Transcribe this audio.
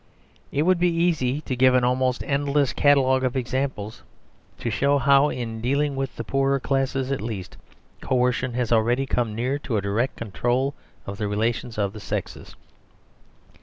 It would be easy to give an almost endless catalogue of examples, to show how, in dealing with the poorer classes at least, coercion has already come near to a direct control of the relations of the sexes.